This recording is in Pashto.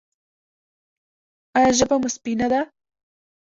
ایا ژبه مو سپینه ده؟